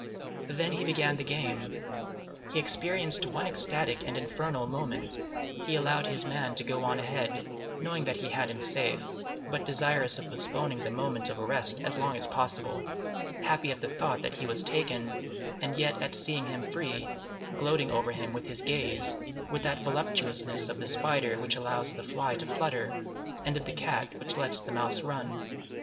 Then he began the game. He experienced one ecstatic and infernal moment; he allowed his man to go on ahead, knowing that he had him safe, but desirous of postponing the moment of arrest as long as possible, happy at the thought that he was taken and yet at seeing him free, gloating over him with his gaze, with that voluptuousness of the spider which allows the fly to flutter, and of the cat which lets the mouse run.